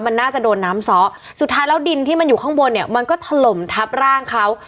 มันน่าจะโดนน้ำซ้อสุดท้ายแล้วดินที่มันอยู่ข้างบนเนี่ยมันก็ถล่มทับร่างเขา